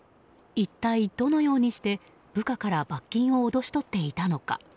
一体どのようにして部下から罰金を脅し取っていたのか。